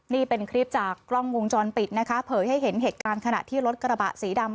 นี่เป็นคลิปจากกล้องวงจรปิดนะคะเผยให้เห็นเหตุการณ์ขณะที่รถกระบะสีดำ